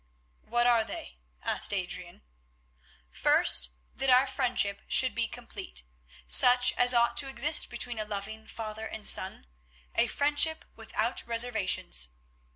"What are they?" asked Adrian. "First, that our friendship should be complete, such as ought to exist between a loving father and son, a friendship without reservations.